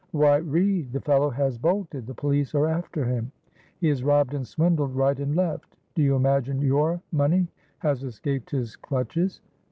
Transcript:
Why, read! The fellow has bolted; the police are after him; he has robbed and swindled right and left. Do you imagine your money has escaped his clutches?"